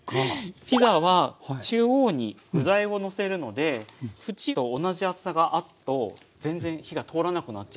ピザは中央に具材をのせるので縁と同じ厚さがあると全然火が通らなくなっちゃうんです。